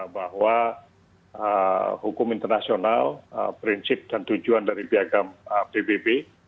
bahwa hukum internasional prinsip dan tujuan dari piagam pbb